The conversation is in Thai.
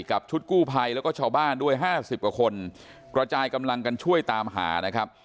กับชุดกู้ภัยแล้วก็ชาวบ้านด้วยห้าสิบกว่าคนกระจายกำลังกันช่วยตามหานะครับ